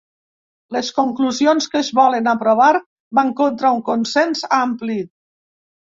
Les conclusions que es volen aprovar van contra un consens ampli.